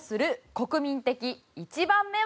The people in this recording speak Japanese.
国民的１番目は。